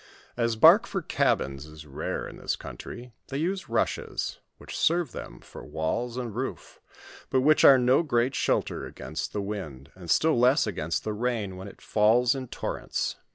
As bark for cabins is rare in this country, they use rushes, which serve them for walls and roof, but which are no great shelter against the wind, and istill less against the rain when it falls in torrents.